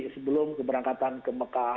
sebelum keberangkatan ke mekah